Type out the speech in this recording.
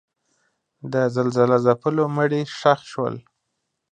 د زلزله ځپلو مړي ښخ شول.